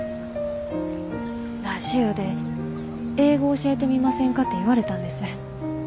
「ラジオで英語教えてみませんか」て言われたんです。